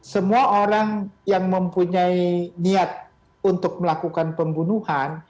semua orang yang mempunyai niat untuk melakukan pembunuhan